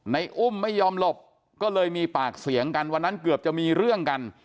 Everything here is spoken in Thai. อุ้มไม่ยอมหลบก็เลยมีปากเสียงกันวันนั้นเกือบจะมีเรื่องกัน